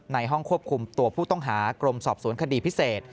ในห้องควบคุมตัวผู้ต้องหากรมสอบสวนคดีพิเศษ